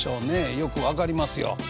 よく分かりますよ。